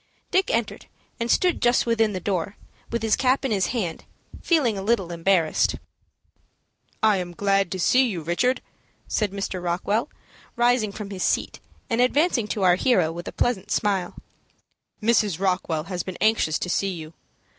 Dick entered, and stood just within the door, with his cap in his hand, feeling a little embarrassed. "I am glad to see you, Richard," said Mr. Rockwell, rising from his seat, and advancing to our hero with a pleasant smile. "Mrs. Rockwell has been anxious to see you.